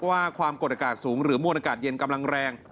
ความกดอากาศสูงหรือมวลอากาศเย็นกำลังแรง